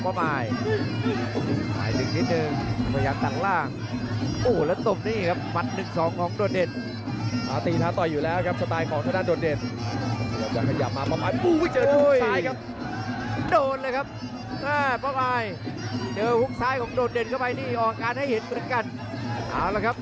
ป๊อปไอด์ขยับเบียดครับพยายามจะทรัพย์ไปที่ต้นขาซ้ายครับ